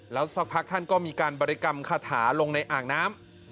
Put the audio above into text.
แล้วสักพักท่านก็มีการบริกรรมคาถาลงในอ่างน้ำ